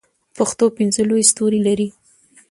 پښتو پنځه لوی ستوري لري.